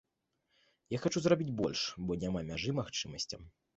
Я хачу зрабіць больш, бо няма мяжы магчымасцям.